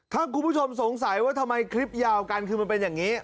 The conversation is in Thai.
ถ้าคุณผู้ชมสงสัยว่าทำไมคลิปยาวกันคือมันเป็นอย่างนี้